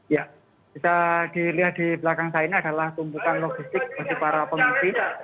ya bisa dilihat di belakang saya ini adalah tumpukan logistik bagi para pengungsi